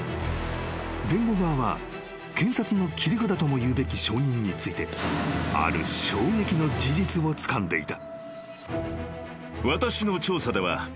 ［弁護側は検察の切り札ともいうべき証人についてある衝撃の事実をつかんでいた］